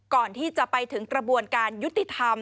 ก่อนที่จะไปถึงกระบวนการยุติธรรม